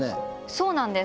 そうなんです。